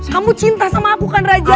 kamu cinta sama aku bukan raja